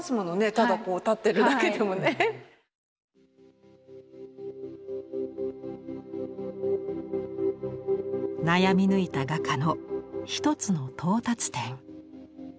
ただこう立ってるだけでもね。悩み抜いた画家の一つの到達点。